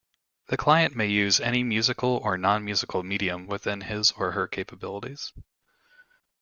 The client may use any musical or nonmusical medium within his or her capabilities.